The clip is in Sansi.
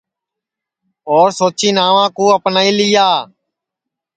اور سوچی ناوا کُو اپنائی لیا